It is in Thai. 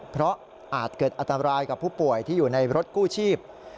เพราะอาจเกิดอันตรายกับผู้ป่วยที่อยู่ในรถกู้ชีพ